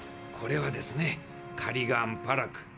これはですね「カリガン・パラク」